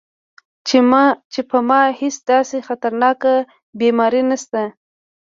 چې پۀ ما هېڅ داسې خطرناکه بيماري نشته -